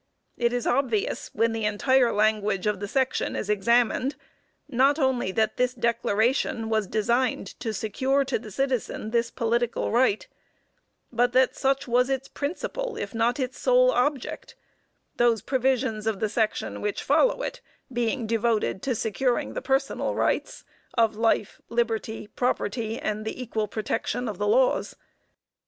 It is obvious, when the entire language of the section is examined, not only that this declaration was designed to secure to the citizen this political right, but that such was its principal, if not its sole object, those provisions of the section which follow it being devoted to securing the personal rights of "life, liberty, property, and the equal protection of the laws."